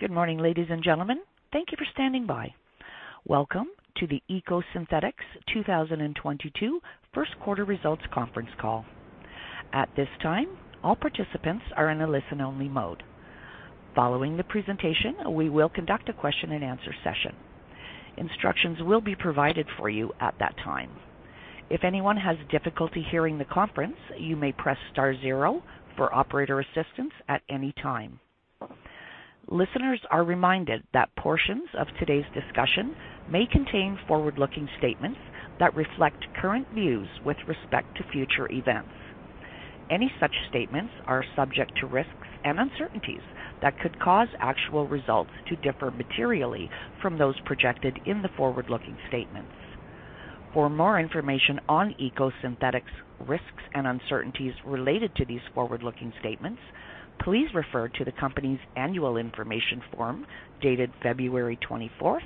Good morning, ladies and gentlemen. Thank you for standing by. Welcome to the EcoSynthetix 2022 first quarter results conference call. At this time, all participants are in a listen-only mode. Following the presentation, we will conduct a question-and-answer session. Instructions will be provided for you at that time. If anyone has difficulty hearing the conference, you may press star zero for operator assistance at any time. Listeners are reminded that portions of today's discussion may contain forward-looking statements that reflect current views with respect to future events. Any such statements are subject to risks and uncertainties that could cause actual results to differ materially from those projected in the forward-looking statements. For more information on EcoSynthetix risks and uncertainties related to these forward-looking statements, please refer to the company's annual information form dated February 24th,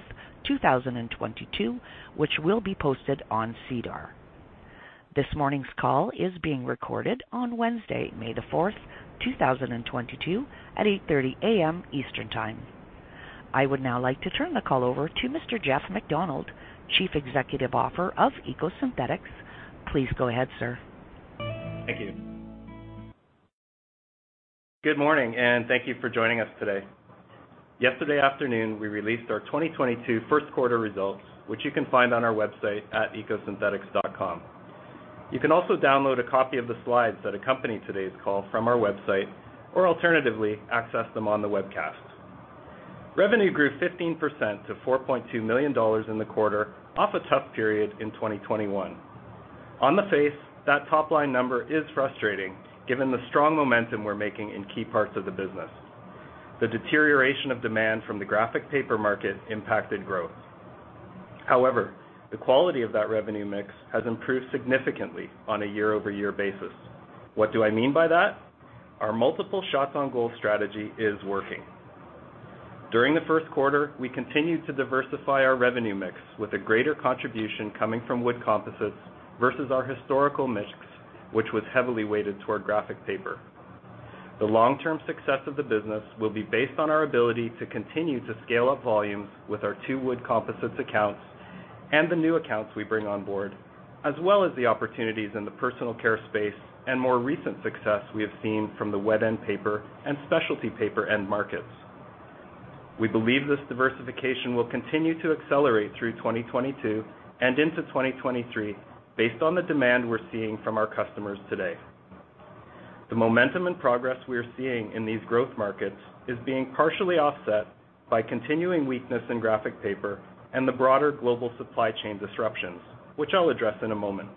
2022, which will be posted on SEDAR. This morning's call is being recorded on Wednesday, May the fourth, two thousand and twenty-two at 8:30 A.M. Eastern Time. I would now like to turn the call over to Mr. Jeff MacDonald, Chief Executive Officer of EcoSynthetix. Please go ahead, sir. Thank you. Good morning, and thank you for joining us today. Yesterday afternoon, we released our 2022 first quarter results, which you can find on our website at ecosynthetix.com. You can also download a copy of the slides that accompany today's call from our website, or alternatively, access them on the webcast. Revenue grew 15% to 4.2 million dollars in the quarter off a tough period in 2021. On the face, that top-line number is frustrating given the strong momentum we're making in key parts of the business. The deterioration of demand from the graphic paper market impacted growth. However, the quality of that revenue mix has improved significantly on a year-over-year basis. What do I mean by that? Our multiple shots on goal strategy is working. During the first quarter, we continued to diversify our revenue mix with a greater contribution coming from wood composites versus our historical mix, which was heavily weighted toward graphic paper. The long-term success of the business will be based on our ability to continue to scale up volumes with our two wood composites accounts and the new accounts we bring on board, as well as the opportunities in the personal care space and more recent success we have seen from the wet end paper and specialty paper end markets. We believe this diversification will continue to accelerate through 2022 and into 2023 based on the demand we're seeing from our customers today. The momentum and progress we are seeing in these growth markets is being partially offset by continuing weakness in graphic paper and the broader global supply chain disruptions, which I'll address in a moment.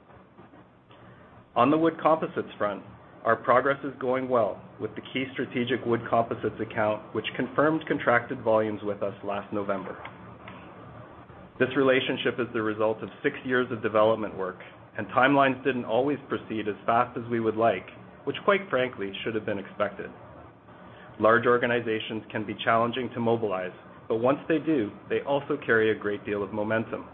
On the wood composites front, our progress is going well with the key strategic wood composites account, which confirmed contracted volumes with us last November. This relationship is the result of six years of development work, and timelines didn't always proceed as fast as we would like, which quite frankly should have been expected. Large organizations can be challenging to mobilize, but once they do, they also carry a great deal of momentum.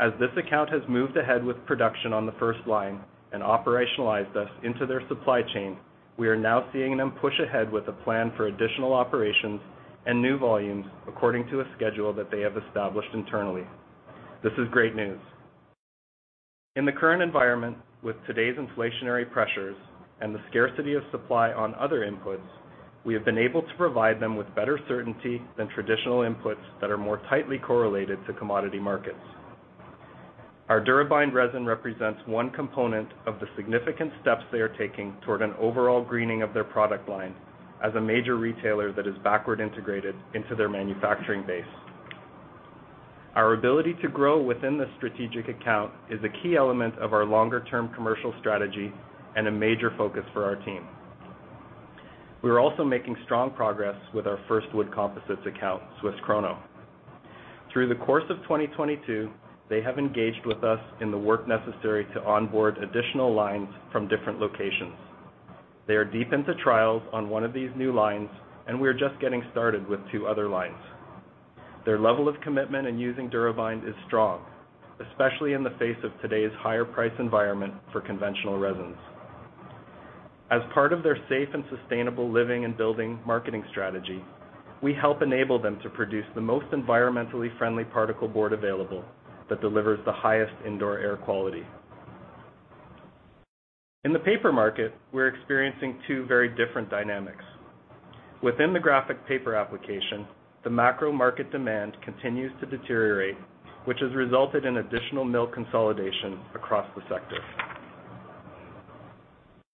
As this account has moved ahead with production on the first line and operationalized us into their supply chain, we are now seeing them push ahead with a plan for additional operations and new volumes according to a schedule that they have established internally. This is great news. In the current environment with today's inflationary pressures and the scarcity of supply on other inputs, we have been able to provide them with better certainty than traditional inputs that are more tightly correlated to commodity markets. Our DuraBind resin represents one component of the significant steps they are taking toward an overall greening of their product line as a major retailer that is backward integrated into their manufacturing base. Our ability to grow within this strategic account is a key element of our longer-term commercial strategy and a major focus for our team. We are also making strong progress with our first wood composites account, SWISS KRONO. Through the course of 2022, they have engaged with us in the work necessary to onboard additional lines from different locations. They are deep into trials on one of these new lines, and we are just getting started with two other lines. Their level of commitment in using DuraBind is strong, especially in the face of today's higher price environment for conventional resins. As part of their safe and sustainable living and building marketing strategy, we help enable them to produce the most environmentally friendly particle board available that delivers the highest indoor air quality. In the paper market, we're experiencing two very different dynamics. Within the graphic paper application, the macro market demand continues to deteriorate, which has resulted in additional mill consolidation across the sector.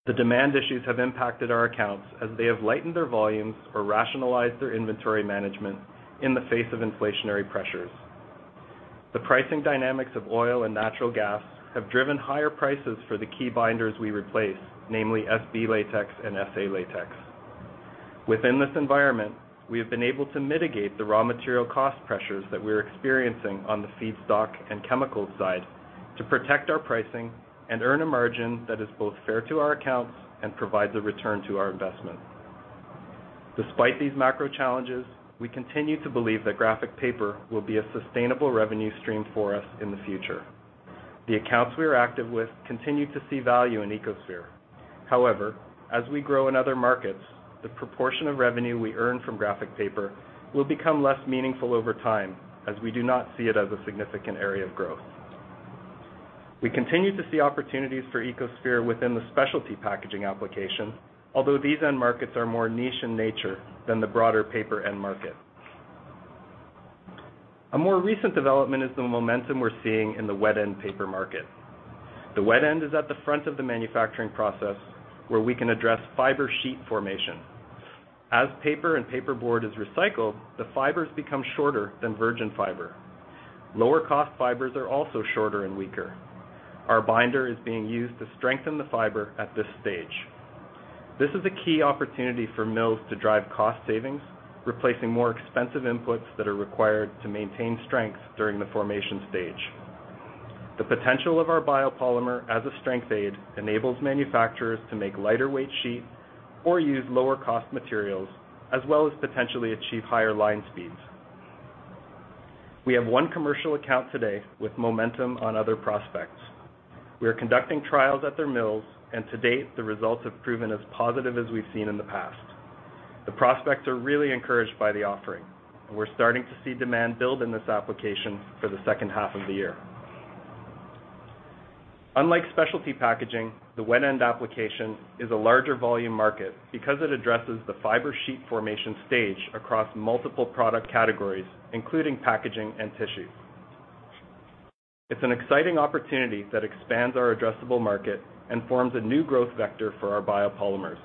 The demand issues have impacted our accounts as they have lightened their volumes or rationalized their inventory management in the face of inflationary pressures. The pricing dynamics of oil and natural gas have driven higher prices for the key binders we replace, namely SB latex and SA latex. Within this environment, we have been able to mitigate the raw material cost pressures that we're experiencing on the feedstock and chemical side to protect our pricing and earn a margin that is both fair to our accounts and provides a return to our investment. Despite these macro challenges, we continue to believe that graphic paper will be a sustainable revenue stream for us in the future. The accounts we are active with continue to see value in EcoSphere. However, as we grow in other markets, the proportion of revenue we earn from graphic paper will become less meaningful over time as we do not see it as a significant area of growth. We continue to see opportunities for EcoSphere within the specialty packaging application, although these end markets are more niche in nature than the broader paper end market. A more recent development is the momentum we're seeing in the wet end paper market. The wet end is at the front of the manufacturing process, where we can address fiber sheet formation. As paper and paperboard is recycled, the fibers become shorter than virgin fiber. Lower cost fibers are also shorter and weaker. Our binder is being used to strengthen the fiber at this stage. This is a key opportunity for mills to drive cost savings, replacing more expensive inputs that are required to maintain strength during the formation stage. The potential of our biopolymer as a strength aid enables manufacturers to make lighter weight sheets or use lower cost materials, as well as potentially achieve higher line speeds. We have one commercial account today with momentum on other prospects. We are conducting trials at their mills, and to date, the results have proven as positive as we've seen in the past. The prospects are really encouraged by the offering, and we're starting to see demand build in this application for the second half of the year. Unlike specialty packaging, the wet end application is a larger volume market because it addresses the fiber sheet formation stage across multiple product categories, including packaging and tissue. It's an exciting opportunity that expands our addressable market and forms a new growth vector for our biopolymers.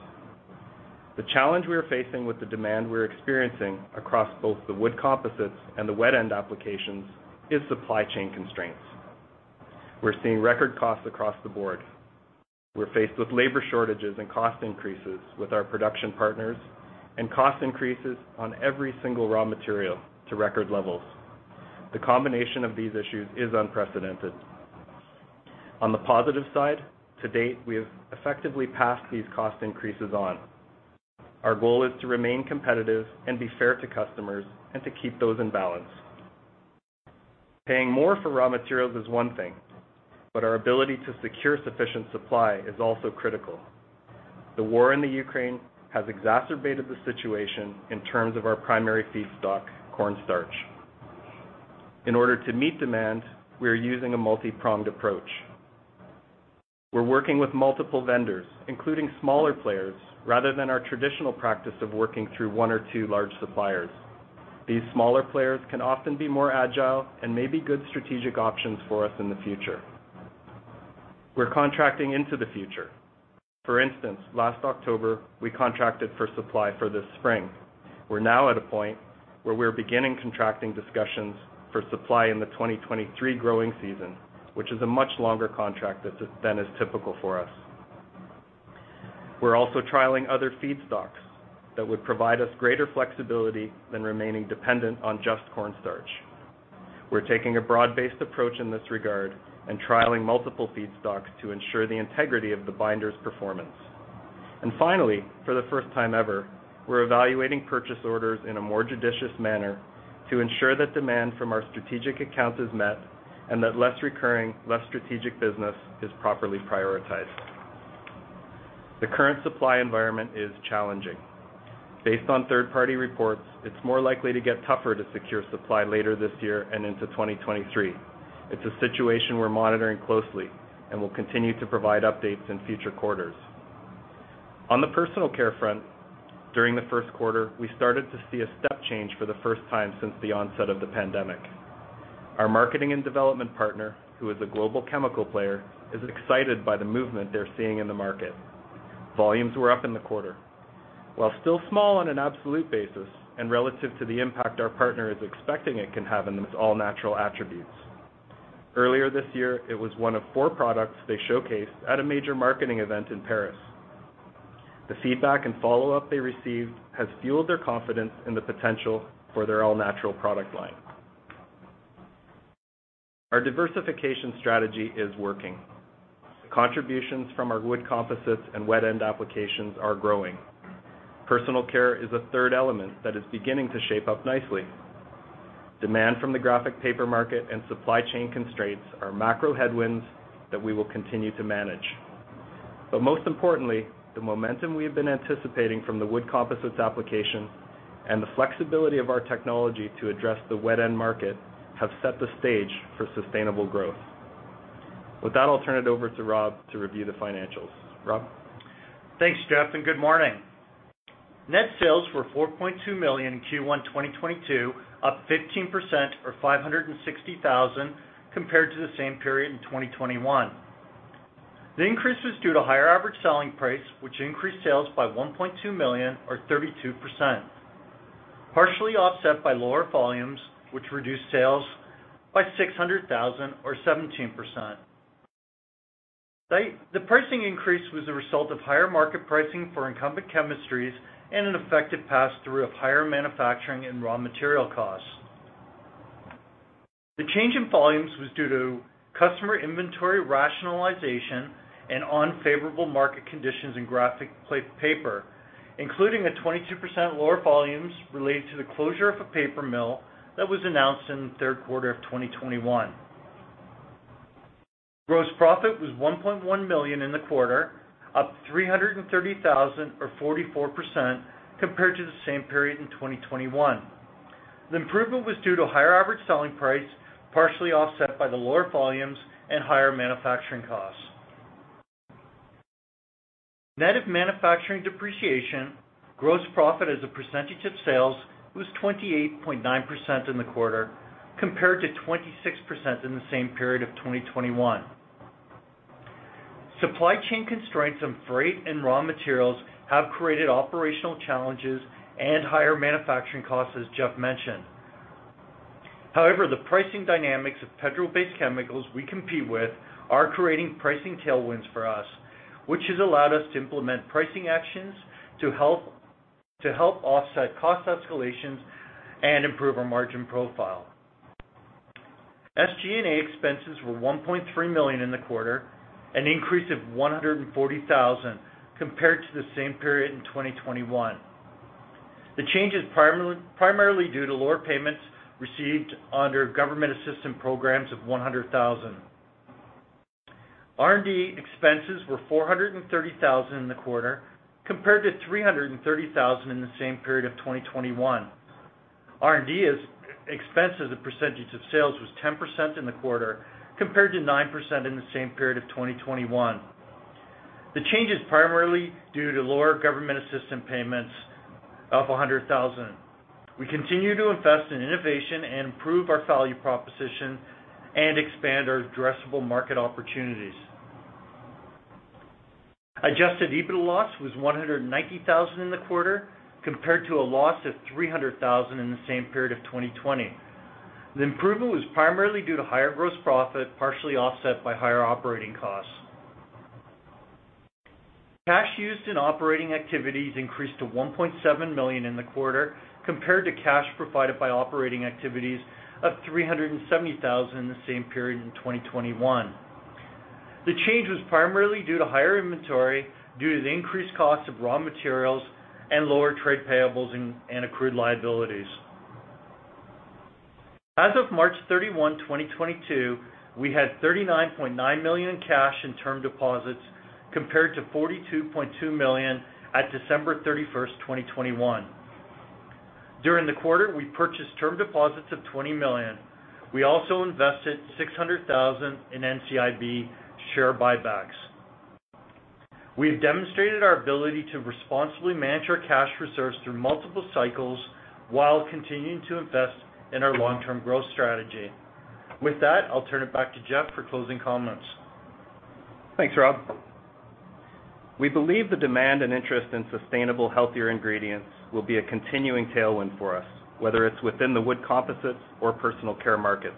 The challenge we are facing with the demand we're experiencing across both the wood composites and the wet end applications is supply chain constraints. We're seeing record costs across the board. We're faced with labor shortages and cost increases with our production partners and cost increases on every single raw material to record levels. The combination of these issues is unprecedented. On the positive side, to date, we have effectively passed these cost increases on. Our goal is to remain competitive and be fair to customers and to keep those in balance. Paying more for raw materials is one thing, but our ability to secure sufficient supply is also critical. The war in the Ukraine has exacerbated the situation in terms of our primary feedstock, corn starch. In order to meet demand, we are using a multi-pronged approach. We're working with multiple vendors, including smaller players, rather than our traditional practice of working through one or two large suppliers. These smaller players can often be more agile and may be good strategic options for us in the future. We're contracting into the future. For instance, last October, we contracted for supply for this spring. We're now at a point where we're beginning contracting discussions for supply in the 2023 growing season, which is a much longer contract than is typical for us. We're also trialing other feedstocks that would provide us greater flexibility than remaining dependent on just corn starch. We're taking a broad-based approach in this regard and trialing multiple feedstocks to ensure the integrity of the binder's performance. Finally, for the first time ever, we're evaluating purchase orders in a more judicious manner to ensure that demand from our strategic accounts is met and that less recurring, less strategic business is properly prioritized. The current supply environment is challenging. Based on third-party reports, it's more likely to get tougher to secure supply later this year and into 2023. It's a situation we're monitoring closely and will continue to provide updates in future quarters. On the personal care front, during the first quarter, we started to see a step change for the first time since the onset of the pandemic. Our marketing and development partner, who is a global chemical player, is excited by the movement they're seeing in the market. Volumes were up in the quarter, while still small on an absolute basis and relative to the impact our partner is expecting it can have in its all-natural attributes. Earlier this year, it was one of four products they showcased at a major marketing event in Paris. The feedback and follow-up they received has fueled their confidence in the potential for their all-natural product line. Our diversification strategy is working. Contributions from our wood composites and wet end applications are growing. Personal care is a third element that is beginning to shape up nicely. Demand from the graphic paper market and supply chain constraints are macro headwinds that we will continue to manage. Most importantly, the momentum we have been anticipating from the wood composites application and the flexibility of our technology to address the wet end market have set the stage for sustainable growth. With that, I'll turn it over to Rob to review the financials. Rob? Thanks, Jeff, and good morning. Net sales were 4.2 million in Q1 2022, up 15% or 560,000 compared to the same period in 2021. The increase was due to higher average selling price, which increased sales by 1.2 million or 32%, partially offset by lower volumes, which reduced sales by 600,000 or 17%. The pricing increase was the result of higher market pricing for incumbent chemistries and an effective pass-through of higher manufacturing and raw material costs. The change in volumes was due to customer inventory rationalization and unfavorable market conditions in graphic paper. Including a 22% lower volumes related to the closure of a paper mill that was announced in the third quarter of 2021. Gross profit was 1.1 million in the quarter, up 330,000 or 44% compared to the same period in 2021. The improvement was due to higher average selling price, partially offset by the lower volumes and higher manufacturing costs. Net of manufacturing depreciation, gross profit as a percentage of sales was 28.9% in the quarter compared to 26% in the same period of 2021. Supply chain constraints on freight and raw materials have created operational challenges and higher manufacturing costs, as Jeff mentioned. However, the pricing dynamics of petrol-based chemicals we compete with are creating pricing tailwinds for us, which has allowed us to implement pricing actions to help offset cost escalations and improve our margin profile. SG&A expenses were 1.3 million in the quarter, an increase of 140,000 compared to the same period in 2021. The change is primarily due to lower payments received under government assistance programs of 100,000. R&D expenses were 430,000 in the quarter compared to 330,000 in the same period of 2021. R&D expense as a percentage of sales was 10% in the quarter compared to 9% in the same period of 2021. The change is primarily due to lower government assistance payments of 100,000. We continue to invest in innovation and improve our value proposition and expand our addressable market opportunities. Adjusted EBITDA loss was 190 thousand in the quarter compared to a loss of 300 thousand in the same period of 2020. The improvement was primarily due to higher gross profit, partially offset by higher operating costs. Cash used in operating activities increased to 1.7 million in the quarter compared to cash provided by operating activities of 370 thousand in the same period in 2021. The change was primarily due to higher inventory due to the increased cost of raw materials and lower trade payables and accrued liabilities. As of March 31, 2022, we had 39.9 million in cash and term deposits, compared to 42.2 million at December 31, 2021. During the quarter, we purchased term deposits of 20 million. We also invested 600 thousand in NCIB share buybacks. We have demonstrated our ability to responsibly manage our cash reserves through multiple cycles while continuing to invest in our long-term growth strategy. With that, I'll turn it back to Jeff for closing comments. Thanks, Rob. We believe the demand and interest in sustainable, healthier ingredients will be a continuing tailwind for us, whether it's within the wood composites or personal care markets.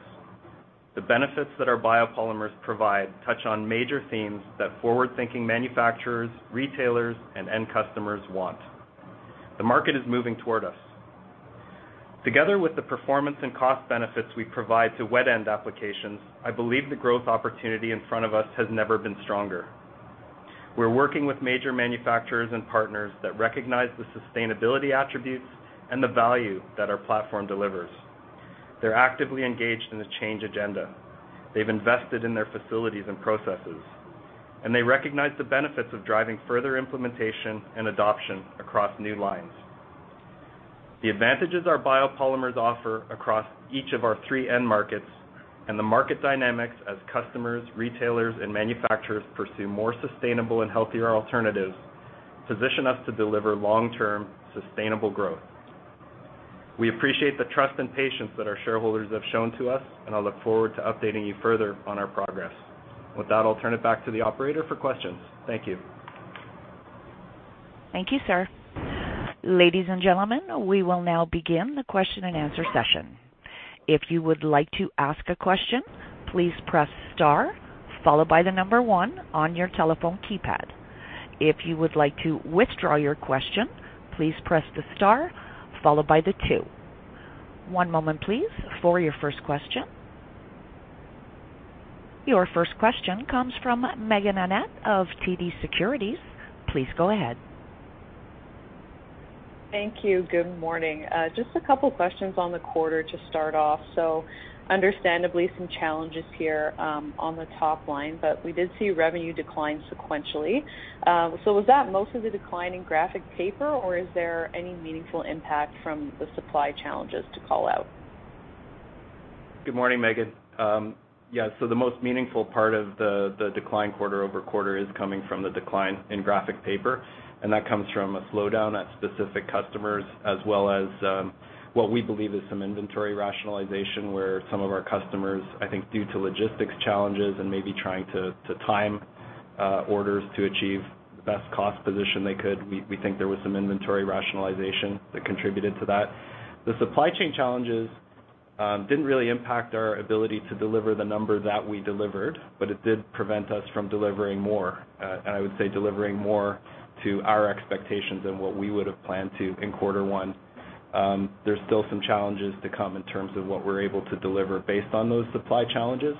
The benefits that our biopolymers provide touch on major themes that forward-thinking manufacturers, retailers, and end customers want. The market is moving toward us. Together with the performance and cost benefits we provide to wet end applications, I believe the growth opportunity in front of us has never been stronger. We're working with major manufacturers and partners that recognize the sustainability attributes and the value that our platform delivers. They're actively engaged in the change agenda. They've invested in their facilities and processes, and they recognize the benefits of driving further implementation and adoption across new lines. The advantages our biopolymers offer across each of our three end markets and the market dynamics as customers, retailers, and manufacturers pursue more sustainable and healthier alternatives, position us to deliver long-term sustainable growth. We appreciate the trust and patience that our shareholders have shown to us, and I look forward to updating you further on our progress. With that, I'll turn it back to the operator for questions. Thank you. Thank you, sir. Ladies and gentlemen, we will now begin the question-and-answer session. If you would like to ask a question, please press star followed by the number one on your telephone keypad. If you would like to withdraw your question, please press the star followed by the two. One moment please for your first question. Your first question comes from Meaghen Annett of TD Securities. Please go ahead. Thank you. Good morning. Just a couple questions on the quarter to start off. Understandably some challenges here, on the top line, but we did see revenue decline sequentially. Was that most of the decline in graphic paper, or is there any meaningful impact from the supply challenges to call out? Good morning, Meaghen. The most meaningful part of the decline quarter-over-quarter is coming from the decline in graphic paper, and that comes from a slowdown at specific customers as well as what we believe is some inventory rationalization where some of our customers, I think due to logistics challenges and maybe trying to time orders to achieve the best cost position they could. We think there was some inventory rationalization that contributed to that. The supply chain challenges didn't really impact our ability to deliver the number that we delivered, but it did prevent us from delivering more, and I would say delivering more than our expectations than what we would have planned to in quarter one. There's still some challenges to come in terms of what we're able to deliver based on those supply challenges.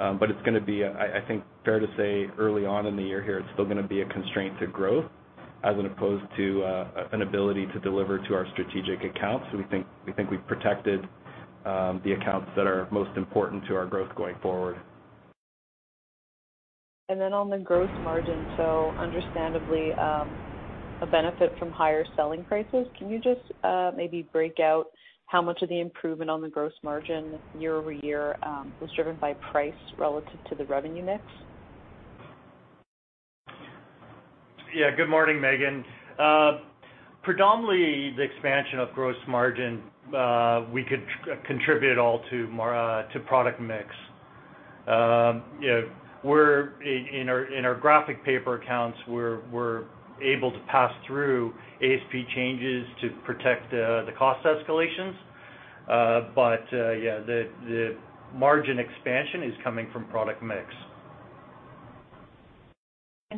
It's gonna be, I think, fair to say early on in the year here, it's still gonna be a constraint to growth as opposed to an ability to deliver to our strategic accounts. We think we've protected the accounts that are most important to our growth going forward. On the gross margin, so understandably, a benefit from higher selling prices. Can you just maybe break out how much of the improvement on the gross margin year-over-year was driven by price relative to the revenue mix? Yeah. Good morning, Meghan. Predominantly, the expansion of gross margin, we could contribute it all to product mix. You know, we're in our graphic paper accounts, we're able to pass through ASP changes to protect the cost escalations. But yeah, the margin expansion is coming from product mix.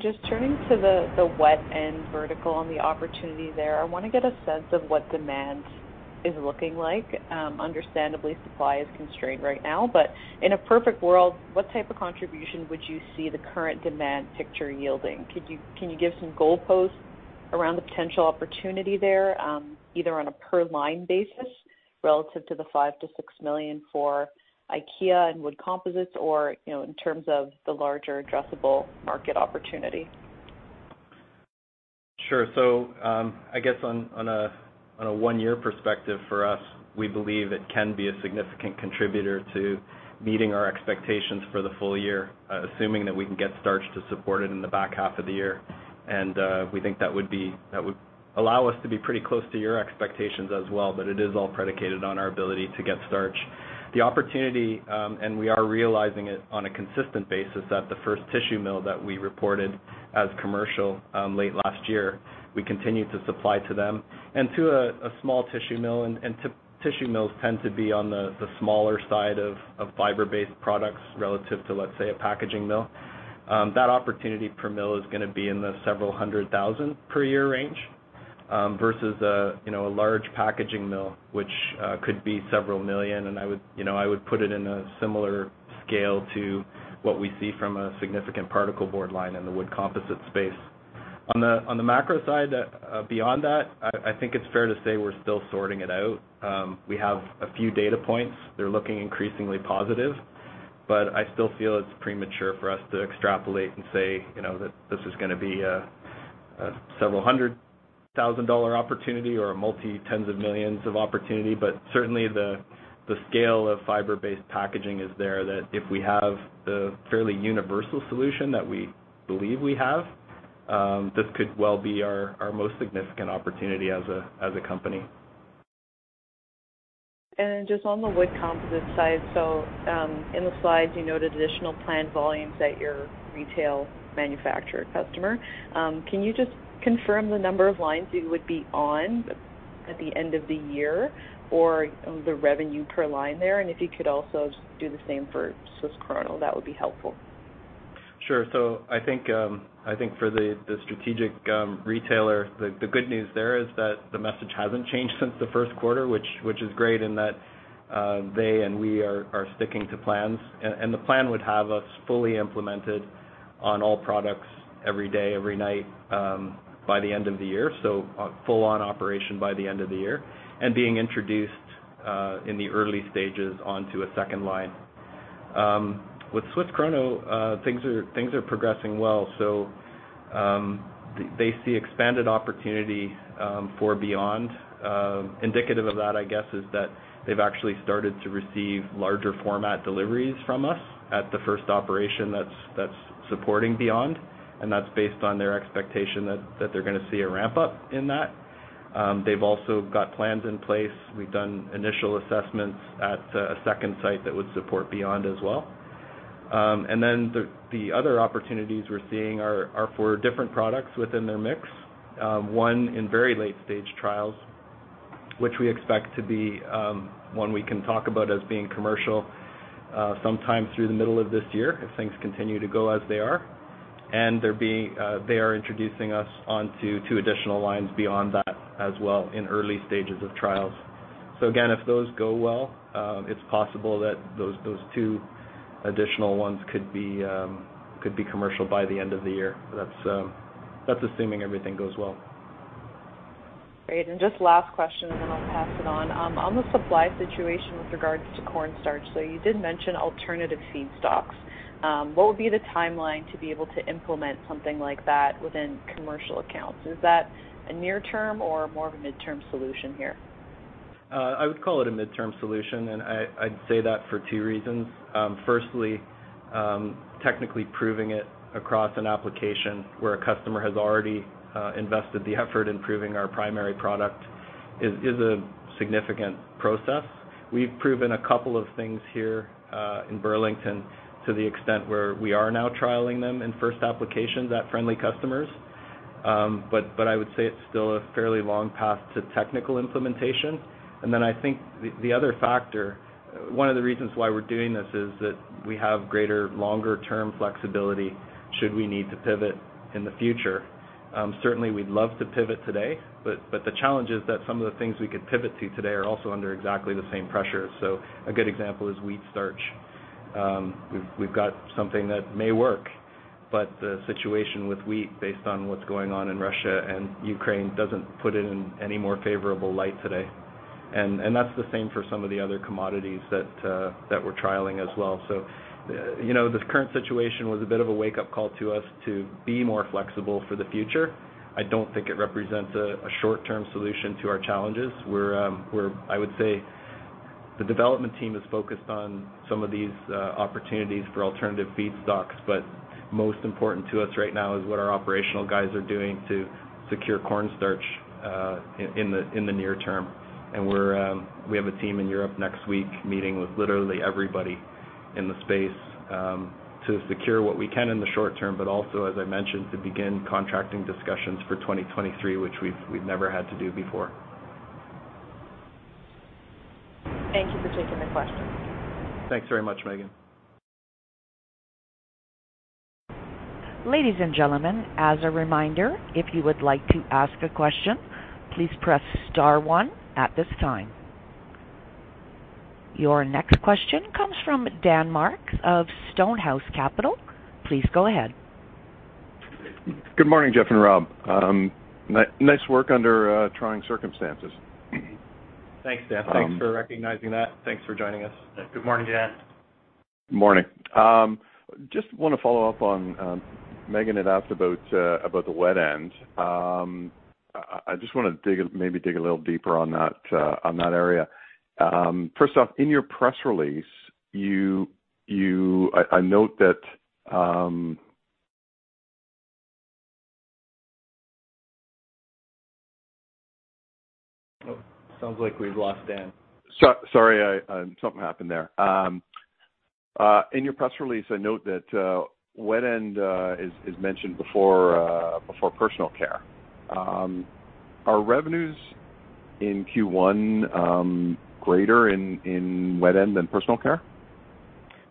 Just turning to the wet end vertical and the opportunity there, I wanna get a sense of what demand is looking like. Understandably, supply is constrained right now. In a perfect world, what type of contribution would you see the current demand picture yielding? Can you give some goalposts around the potential opportunity there, either on a per line basis relative to the 5 million-6 million for IKEA and Wood Composites, or, you know, in terms of the larger addressable market opportunity? Sure. I guess on a one-year perspective for us, we believe it can be a significant contributor to meeting our expectations for the full year, assuming that we can get starch to support it in the back half of the year. We think that would allow us to be pretty close to your expectations as well, but it is all predicated on our ability to get starch. The opportunity and we are realizing it on a consistent basis at the first tissue mill that we reported as commercial late last year, we continue to supply to them and to a small tissue mill. Tissue mills tend to be on the smaller side of fiber-based products relative to, let's say, a packaging mill. That opportunity per mill is gonna be in the CAD several hundred thousand per year range, versus a, you know, a large packaging mill, which could be CAD several million. I would, you know, put it in a similar scale to what we see from a significant particle board line in the wood composite space. On the macro side, beyond that, I think it's fair to say we're still sorting it out. We have a few data points. They're looking increasingly positive, but I still feel it's premature for us to extrapolate and say, you know, that this is gonna be a CAD several hundred thousand opportunity or a multi tens of millions of opportunity. Certainly, the scale of fiber-based packaging is there, that if we have the fairly universal solution that we believe we have, this could well be our most significant opportunity as a company. Just on the wood composite side, in the slides, you noted additional planned volumes at your retail manufacturer customer. Can you just confirm the number of lines you would be on at the end of the year or, you know, the revenue per line there? If you could also do the same for SWISS KRONO, that would be helpful. Sure. I think for the strategic retailer, the good news there is that the message hasn't changed since the first quarter, which is great in that they and we are sticking to plans. The plan would have us fully implemented on all products every day, every night, by the end of the year, so a full on operation by the end of the year, and being introduced in the early stages onto a second line. With SWISS KRONO, things are progressing well. They see expanded opportunity for BE.YOND. Indicative of that, I guess, is that they've actually started to receive larger format deliveries from us at the first operation that's supporting BE.YOND, and that's based on their expectation that they're gonna see a ramp-up in that. They've also got plans in place. We've done initial assessments at a second site that would support BE.YOND as well. Then the other opportunities we're seeing are for different products within their mix. One in very late stage trials, which we expect to be, one we can talk about as being commercial, sometime through the middle of this year if things continue to go as they are. They are introducing us onto two additional lines beyond that as well in early stages of trials. Again, if those go well, it's possible that those two additional ones could be commercial by the end of the year. That's assuming everything goes well. Great. Just last question, and then I'll pass it on. On the supply situation with regards to corn starch, you did mention alternative feedstocks. What would be the timeline to be able to implement something like that within commercial accounts? Is that a near term or more of a midterm solution here? I would call it a midterm solution, and I'd say that for two reasons. Firstly, technically proving it across an application where a customer has already invested the effort in proving our primary product is a significant process. We've proven a couple of things here in Burlington to the extent where we are now trialing them in first applications at friendly customers. But I would say it's still a fairly long path to technical implementation. Then I think the other factor, one of the reasons why we're doing this is that we have greater, longer term flexibility should we need to pivot in the future. Certainly we'd love to pivot today, but the challenge is that some of the things we could pivot to today are also under exactly the same pressure. A good example is wheat starch. We've got something that may work, but the situation with wheat based on what's going on in Russia and Ukraine doesn't put it in any more favorable light today. That's the same for some of the other commodities that we're trialing as well. You know, this current situation was a bit of a wake-up call to us to be more flexible for the future. I don't think it represents a short-term solution to our challenges. I would say the development team is focused on some of these opportunities for alternative feedstocks, but most important to us right now is what our operational guys are doing to secure corn starch in the near term. We have a team in Europe next week meeting with literally everybody in the space to secure what we can in the short term, but also, as I mentioned, to begin contracting discussions for 2023, which we've never had to do before. Thank you for taking the question. Thanks very much, Meghan. Ladies and gentlemen, as a reminder, if you would like to ask a question, please press star one at this time. Your next question comes from Daniel Marks of Stonehouse Capital Management. Please go ahead. Good morning, Jeff and Rob. Nice work under trying circumstances. Thanks, Dan. Um- Thanks for recognizing that. Thanks for joining us. Good morning, Dan. Morning. Just wanna follow up on, Meghan had asked about the Wet End. I just wanna dig a little deeper on that area. First off, in your press release, I note that. Oh, sounds like we've lost Dan. Sorry, something happened there. In your press release, I note that Wet End is mentioned before personal care. Are revenues in Q1 greater in Wet End than personal care?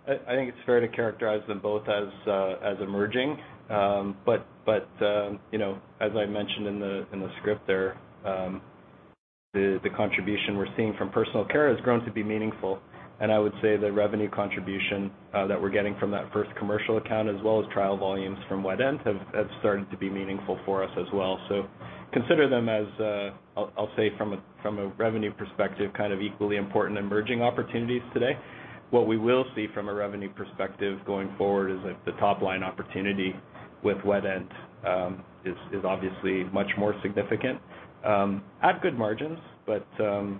I think it's fair to characterize them both as emerging. You know, as I mentioned in the script there, the contribution we're seeing from personal care has grown to be meaningful. I would say the revenue contribution that we're getting from that first commercial account, as well as trial volumes from Wet End have started to be meaningful for us as well. Consider them as I'll say from a revenue perspective, kind of equally important emerging opportunities today. What we will see from a revenue perspective going forward is that the top line opportunity with Wet End is obviously much more significant at good margins.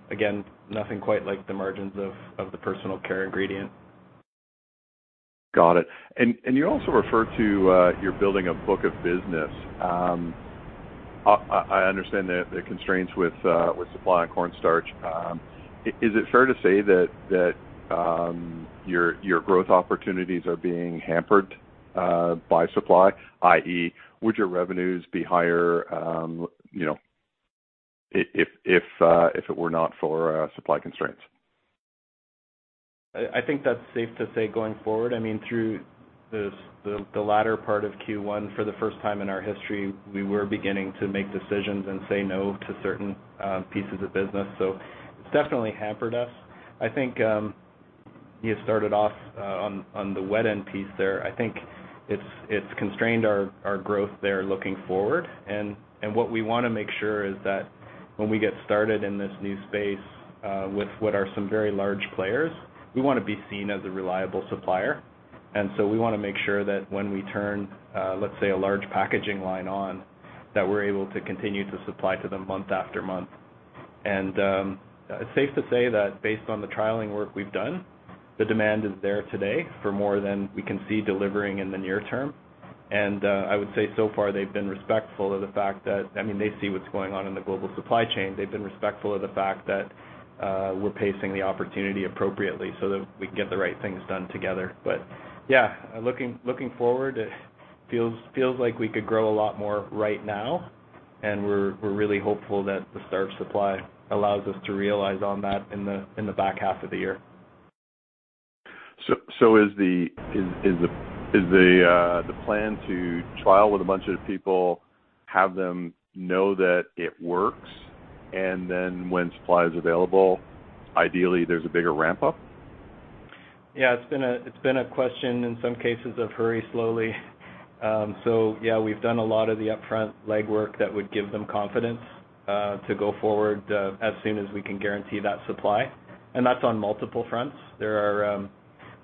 Again, nothing quite like the margins of the personal care ingredient. Got it. You also refer to, you're building a book of business. I understand the constraints with supply on corn starch. Is it fair to say that your growth opportunities are being hampered by supply, i.e., would your revenues be higher, you know, if it were not for supply constraints? I think that's safe to say going forward. I mean, through the latter part of Q1, for the first time in our history, we were beginning to make decisions and say no to certain pieces of business. It's definitely hampered us. I think you started off on the Wet End piece there. I think it's constrained our growth there looking forward. What we wanna make sure is that when we get started in this new space with what are some very large players, we wanna be seen as a reliable supplier. We wanna make sure that when we turn, let's say, a large packaging line on, that we're able to continue to supply to them month after month. It's safe to say that based on the trialing work we've done, the demand is there today for more than we can see delivering in the near term. I would say so far they've been respectful of the fact that, I mean, they see what's going on in the global supply chain. They've been respectful of the fact that, we're pacing the opportunity appropriately so that we can get the right things done together. Yeah, looking forward, it feels like we could grow a lot more right now, and we're really hopeful that the starch supply allows us to realize on that in the back half of the year. Is the plan to trial with a bunch of people, have them know that it works, and then when supply is available, ideally there's a bigger ramp up? Yeah. It's been a question in some cases of hurry slowly. We've done a lot of the upfront legwork that would give them confidence to go forward as soon as we can guarantee that supply. That's on multiple fronts.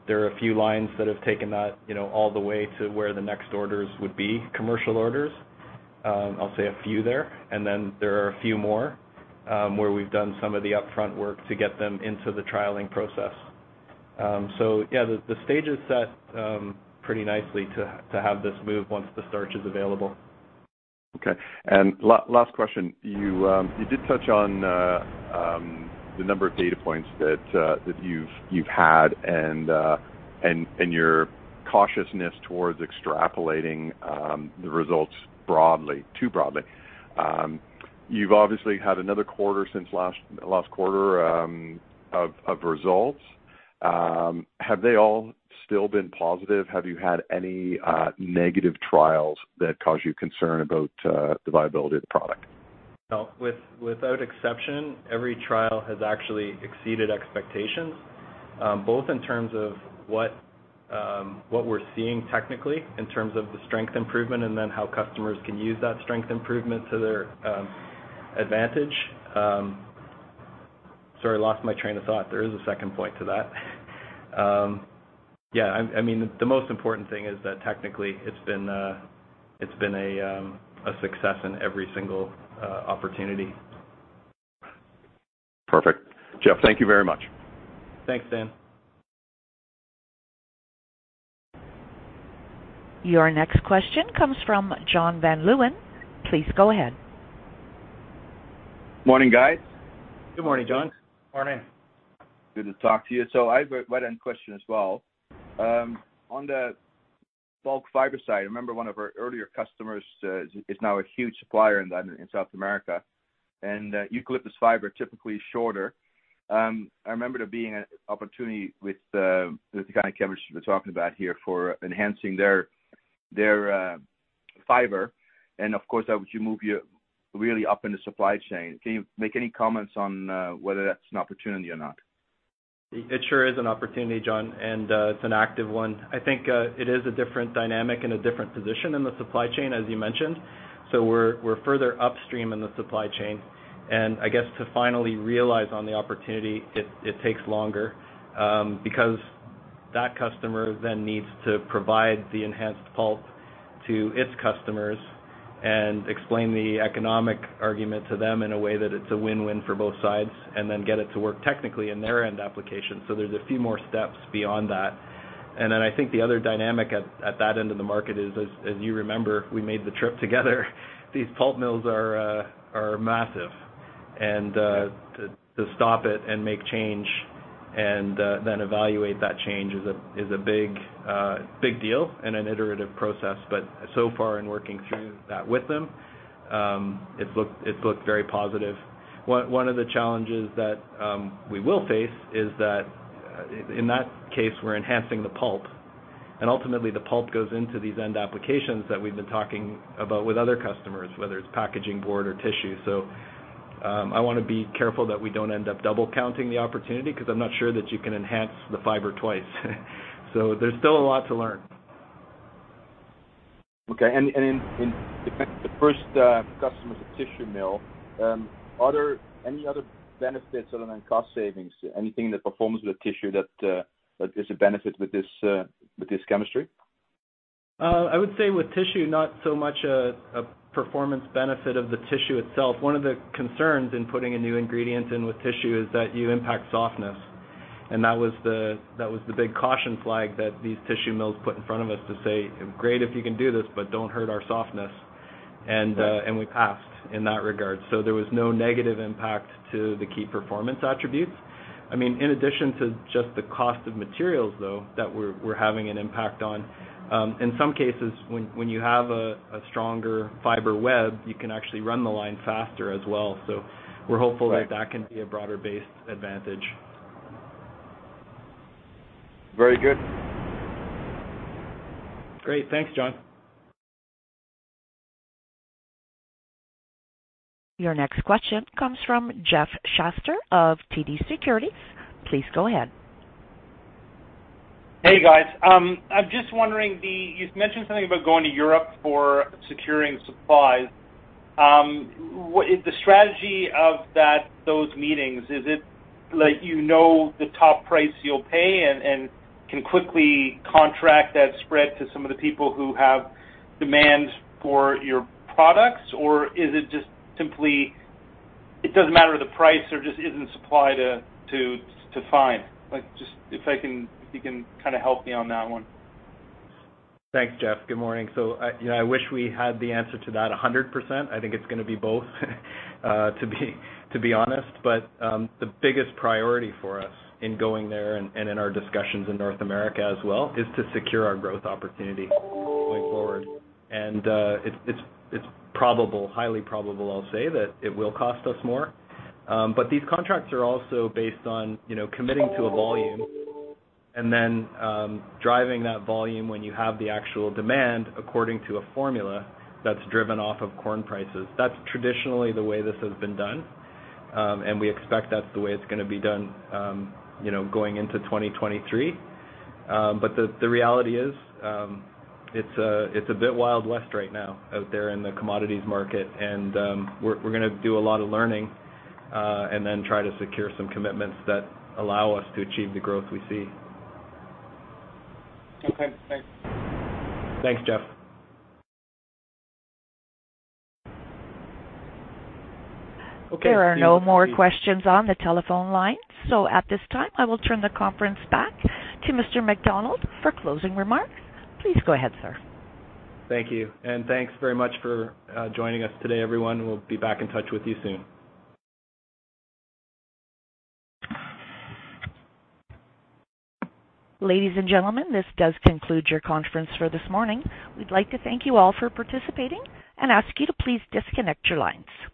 There are a few lines that have taken that, you know, all the way to where the next orders would be commercial orders. I'll say a few there, and then there are a few more where we've done some of the upfront work to get them into the trialing process. The stage is set pretty nicely to have this move once the starch is available. Okay. Last question. You did touch on the number of data points that you've had and your cautiousness towards extrapolating the results broadly, too broadly. You've obviously had another quarter since last quarter of results. Have they all still been positive? Have you had any negative trials that cause you concern about the viability of the product? No. Without exception, every trial has actually exceeded expectations, both in terms of what we're seeing technically in terms of the strength improvement and then how customers can use that strength improvement to their advantage. Sorry, I lost my train of thought. There is a second point to that. I mean, the most important thing is that technically it's been a success in every single opportunity. Perfect. Jeff, thank you very much. Thanks, Dan. Your next question comes from John Van Luyn. Please go ahead. Morning, guys. Good morning, John Van Luyn. Morning. Good to talk to you. I have a wide-ranging question as well. On the bulk fiber side, I remember one of our earlier customers is now a huge supplier in South America, and eucalyptus fiber typically is shorter. I remember there being an opportunity with the kind of chemistry we're talking about here for enhancing their fiber and of course that would move you really up in the supply chain. Can you make any comments on whether that's an opportunity or not? It sure is an opportunity, John, and it's an active one. I think it is a different dynamic and a different position in the supply chain, as you mentioned. We're further upstream in the supply chain. I guess to finally realize on the opportunity, it takes longer because that customer then needs to provide the enhanced pulp to its customers and explain the economic argument to them in a way that it's a win-win for both sides, and then get it to work technically in their end application. There's a few more steps beyond that. I think the other dynamic at that end of the market is, as you remember, we made the trip together. These pulp mills are massive. To stop it and make change and then evaluate that change is a big deal and an iterative process. So far in working through that with them, it's looked very positive. One of the challenges that we will face is that in that case, we're enhancing the pulp, and ultimately the pulp goes into these end applications that we've been talking about with other customers, whether it's packaging board or tissue. I wanna be careful that we don't end up double counting the opportunity 'cause I'm not sure that you can enhance the fiber twice. There's still a lot to learn. Okay. The first customer is a tissue mill. Are there any other benefits other than cost savings? Anything in the performance of the tissue that is a benefit with this chemistry? I would say with tissue, not so much a performance benefit of the tissue itself. One of the concerns in putting a new ingredient in with tissue is that you impact softness. That was the big caution flag that these tissue mills put in front of us to say, "Great, if you can do this, but don't hurt our softness. Right. We passed in that regard. There was no negative impact to the key performance attributes. I mean, in addition to just the cost of materials, though, that we're having an impact on, in some cases, when you have a stronger fiber web, you can actually run the line faster as well. We're hopeful. Right. that can be a broader base advantage. Very good. Great. Thanks, John. Your next question comes from Jeff Schuster of TD Securities. Please go ahead. Hey, guys. I'm just wondering. You've mentioned something about going to Europe for securing supplies. What is the strategy of that, those meetings? Is it like you know the top price you'll pay and can quickly contract that spread to some of the people who have demand for your products? Or is it just simply it doesn't matter the price or just isn't supply to find? Like, if you can kinda help me on that one. Thanks, Jeff. Good morning. I, you know, I wish we had the answer to that 100%. I think it's gonna be both, to be honest. The biggest priority for us in going there and in our discussions in North America as well is to secure our growth opportunity going forward. It's probable, highly probable, I'll say, that it will cost us more. These contracts are also based on, you know, committing to a volume and then driving that volume when you have the actual demand according to a formula that's driven off of corn prices. That's traditionally the way this has been done, and we expect that's the way it's gonna be done, you know, going into 2023. The reality is, it's a bit Wild West right now out there in the commodities market, and we're gonna do a lot of learning and then try to secure some commitments that allow us to achieve the growth we see. Okay, thanks. Thanks, Jeff. There are no more questions on the telephone line. At this time, I will turn the conference back to Mr. MacDonald for closing remarks. Please go ahead, sir. Thank you. Thanks very much for joining us today, everyone. We'll be back in touch with you soon. Ladies and gentlemen, this does conclude your conference for this morning. We'd like to thank you all for participating and ask you to please disconnect your lines.